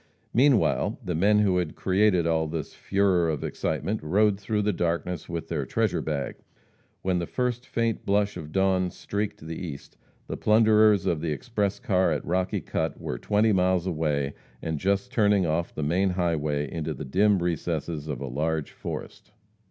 Meanwhile, the men who had created all this furore of excitement rode through the darkness with their treasure bag. When "the first faint blush of dawn streaked the east," the plunderers of the express car at Rocky Cut were twenty miles away and just turning off the main highway into the dim recesses of a large forest.